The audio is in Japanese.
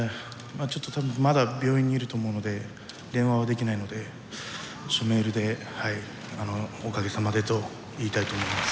まだ病院にいると思うので電話はできないのでメールで「おかげさまで」と言いたいと思います。